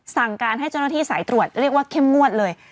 สั่งการให้เจ้าหน้าที่สายตรวจเรียกว่าเข้มงวดเลย